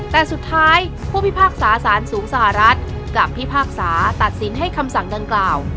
แต่สุดท้ายผู้พิพากษาสารสูงสหรัฐกลับพิพากษาตัดสินให้คำสั่งดังกล่าว